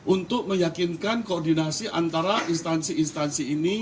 untuk meyakinkan koordinasi antara instansi instansi ini